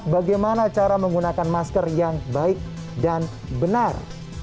bagaimana cara menggunakan masker yang baik dan benar